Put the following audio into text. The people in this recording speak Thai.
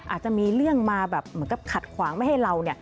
อาจจะมีเรื่องมาแบบเหมือนกับขัดขวางไม่ให้เราเนี่ย